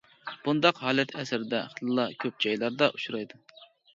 بۇنداق ھالەت ئەسەردە خىلىلا كۆپ جايلاردا ئۇچرايدۇ.